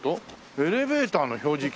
エレベーターの表示器。